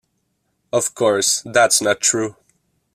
Of course that's not true.